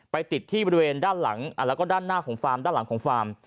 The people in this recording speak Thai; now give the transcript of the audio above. ไปติดที่บริเวณด้านหลังและก็ด้านหน้าของฟาร์ม